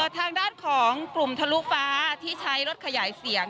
ทางด้านของกลุ่มทะลุฟ้าที่ใช้รถขยายเสียง